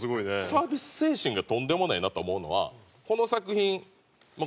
サービス精神がとんでもないなと思うのはこの作品まあ